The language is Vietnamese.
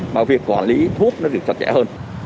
mà việc quản lý thuốc nó được sạch sẽ hơn